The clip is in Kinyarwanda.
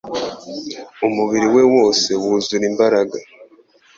umubiri we wose wuzura imbaraga.